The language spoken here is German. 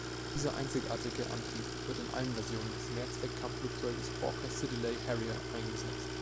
Dieser einzigartige Antrieb wird in allen Versionen des Mehrzweck-Kampfflugzeuges Hawker Siddeley Harrier eingesetzt.